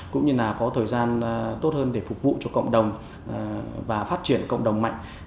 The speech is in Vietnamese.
cũng như là có thời gian tốt hơn để phục vụ cho cộng đồng và phát triển cộng đồng mạnh